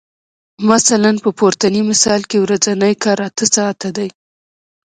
مثلاً په پورتني مثال کې ورځنی کار اته ساعته دی